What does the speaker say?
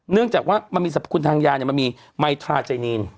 เนื่องจากว่ามีทางยาน้ำมีไมทราไจเนน